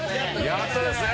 やっとですね。